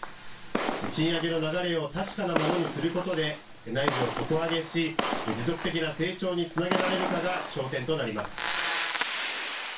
賃上げの流れを確かなものにすることで内需を底上げし持続的な成長につなげられるかが焦点となります。